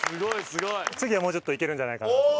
次はもうちょっといけるんじゃないかなと。